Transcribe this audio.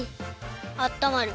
あったまる。